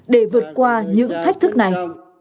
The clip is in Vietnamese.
để vượt qua những thách thức này